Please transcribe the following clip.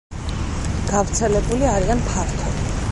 გავრცელებული არიან ფართოდ.